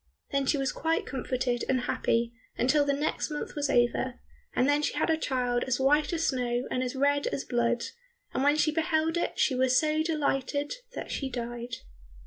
Then she was quite comforted and happy until the next month was over, and then she had a child as white as snow and as red as blood, and when she beheld it she was so delighted that she died.